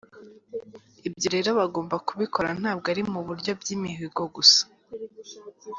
Ibyo rero bagomba kubikora ntabwo ari mu buryo by’imihigo gusa.